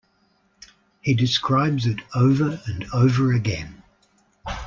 He describes it over and over again.